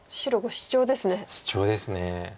シチョウです。